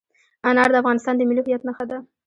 انار د افغانستان د ملي هویت نښه ده.